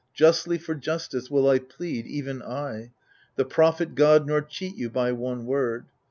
Justly for justice will I plead, even I, The prophet god, nor cheat you by one word.